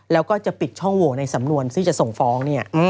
แล้วก็จะปิดช่องโหวในสำนวนที่จะส่งฟ้องเนี่ย